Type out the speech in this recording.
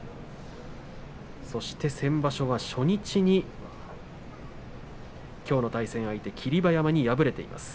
そして先場所は初日にきょうの対戦相手霧馬山に敗れています。